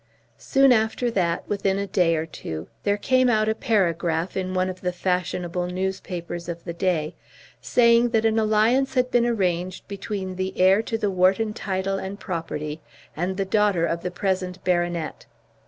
Soon after that, within a day or two, there came out a paragraph in one of the fashionable newspapers of the day, saying that an alliance had been arranged between the heir to the Wharton title and property and the daughter of the present baronet.